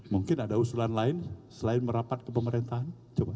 mungkin ada usulan lain selain merapat ke pemerintahan coba